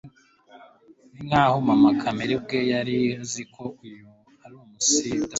ninkaho mama kamere ubwe yari azi ko uyu ari umunsi udasanzwe